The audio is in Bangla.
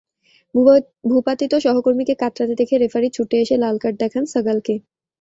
ভূপাতিত সহকর্মীকে কাতরাতে দেখে রেফারি ছুটে এসে লাল কার্ড দেখান সাগালকে।